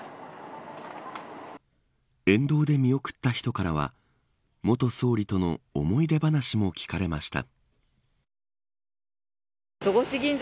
沿道で見送った人からは元総理との思い出話も聞かれました。